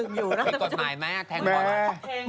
ปิดกฎหมายไหมแทงบอลลอ่ะ